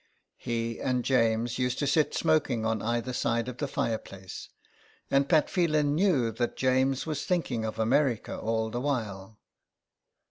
He and James used to sit siTioking on either side of the fireplace, and Pat Fhelan knew that James was thinking of America all the while.